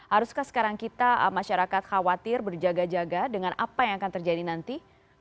haruskah sekarang kita masyarakat khawatir berjaga jaga dengan apa yang akan terjadi nanti